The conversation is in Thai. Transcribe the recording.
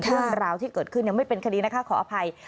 เรื่องราวที่เกิดขึ้นยังไม่เป็นคดีนะคะขออภัย